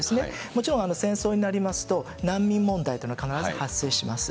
もちろん戦争になりますと、難民問題というのが必ず発生します。